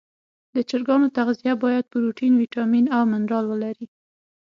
د چرګانو تغذیه باید پروټین، ویټامین او منرال ولري.